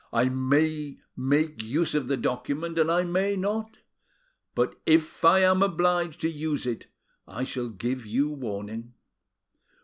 I may make use of the document and I may not, but if I am obliged to use it I shall give you warning.